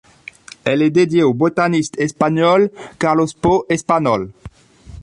Elle est dédiée au botaniste espagnol Carlos Pau Español.